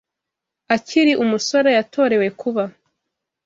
Akiri umusore, yatorewe kuba